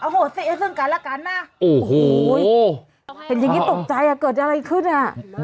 เห็นอย่างนี้ตกใจอะเกิดอะไรขึ้นอะ